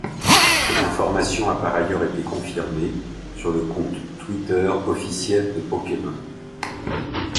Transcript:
Cette information a par ailleurs été confirmée sur le compte Twitter officiel de Pokémon.